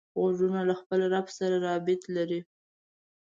غوږونه له خپل رب سره رابط لري